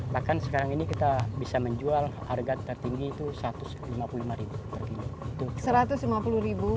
bahkan sekarang ini kita bisa menjual harga tertinggi itu rp satu ratus lima puluh lima per kilo